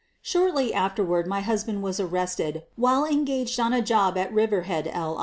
Shortly afterward my husband was arrested while engaged on a job at Riverhead, L.